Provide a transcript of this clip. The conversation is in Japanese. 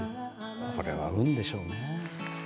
これは運でしょうね。